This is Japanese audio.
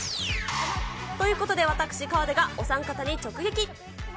ということで私、河出がお三方に直撃。